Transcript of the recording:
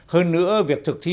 hơn nữa việc thực thi